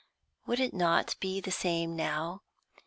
Would it not be the same now?